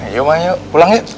iya ma yuk pulang yuk